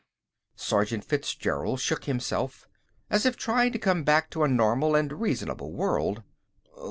Sergeant Fitzgerald shook himself, as if trying to come back to a normal and a reasonable world.